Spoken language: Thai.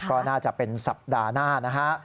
ก็น่าจะเป็นสัปดาห์หน้านะฮะ